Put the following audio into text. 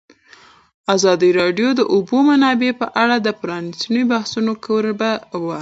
ازادي راډیو د د اوبو منابع په اړه د پرانیستو بحثونو کوربه وه.